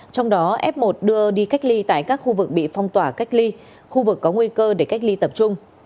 trong đó f một đưa đi cách ly tại các khu vực bị phong tỏa cách ly khu vực có nguy cơ để cách ly tập trung